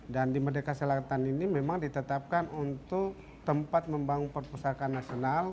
dan di merdeka selatan ini memang ditetapkan untuk tempat membangun perpustakaan nasional